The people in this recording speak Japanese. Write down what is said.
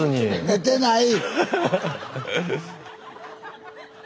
寝てない！